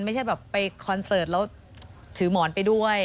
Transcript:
ไม่ใช่แบบไปคอนเสิร์ตแล้วถือหมอนไปด้วย